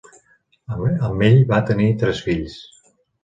Amb ell va tenir tres fills.